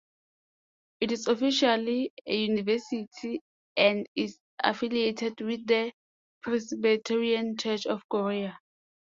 It is officially a university, and is affiliated with the Presbyterian Church of Korea.